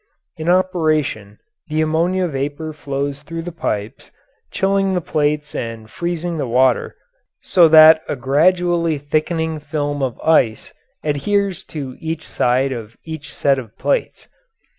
In operation, the ammonia vapour flows through the pipes, chilling the plates and freezing the water so that a gradually thickening film of ice adheres to each side of each set of plates.